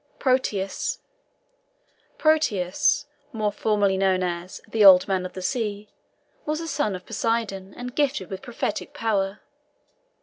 PROTEUS. Proteus, more familiarly known as "The Old Man of the Sea," was a son of Poseidon, and gifted with prophetic power.